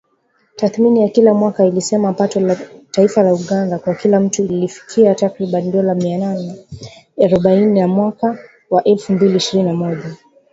Tathmini ya kila mwaka, ilisema pato la taifa la Uganda kwa kila mtu lilifikia takriban dola mia nane arobaini mwaka wa elfu mbili ishirini na moja.